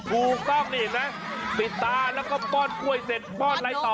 ถูกต้องนี่เห็นไหมปิดตาแล้วก็ป้อนกล้วยเสร็จป้อนอะไรต่อ